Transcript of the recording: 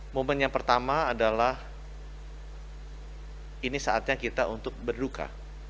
momen yang pertama adalah ini saatnya kita untuk berduka